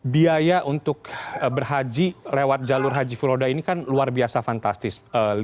biaya untuk berhaji lewat jalur haji furoda ini kan luar biasa fantastis